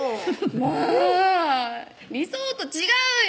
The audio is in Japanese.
もう理想と違うよ！